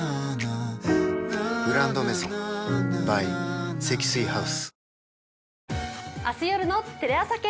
「グランドメゾン」ｂｙ 積水ハウス